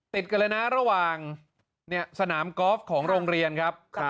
ติดกันเลยนะระหว่างสนามกอล์ฟของโรงเรียนครับ